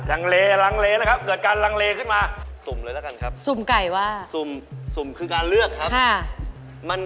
อ่าหลังเลนะครับ